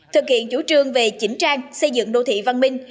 thực hiện chủ trương về chỉnh trang xây dựng đô thị văn minh